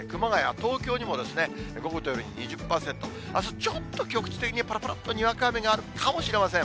東京にも午後と夜、２０％、あす、ちょっと局地的に、ぱらぱらっとにわか雨があるかもしれません。